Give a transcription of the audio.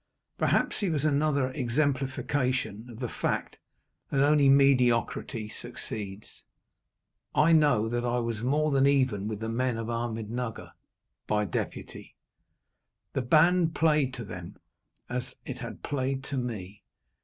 Perhaps he was another exemplification of the fact that only mediocrity succeeds. I know that I was more than even with the men of Ahmednugger by deputy. The band played to them, as it had played to me.